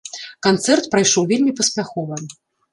Канцэрт прайшоў вельмі паспяхова.